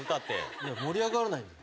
いや盛り上がらないのよ。